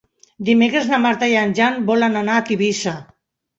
Dimecres na Marta i en Jan volen anar a Tivissa.